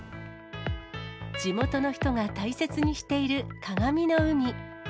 地元の人が大切にしている、かがみの海。